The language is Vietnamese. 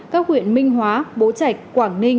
các huyện minh hóa bố trạch quảng nguyên